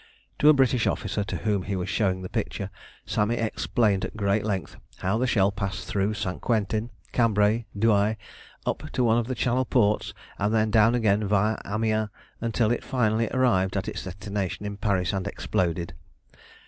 To a British officer to whom he was showing the picture, Sami explained at great length how the shell passed through St Quentin, Cambrai, Douai, up to one of the Channel ports, and then down again viâ Amiens, until it finally arrived at its destination in Paris and exploded!